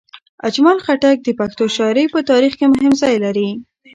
اجمل خټک د پښتو شاعرۍ په تاریخ کې مهم ځای لري.